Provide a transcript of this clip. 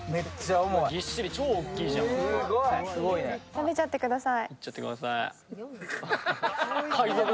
食べちゃってください。